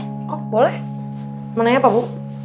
oh boleh mau nanya apa bu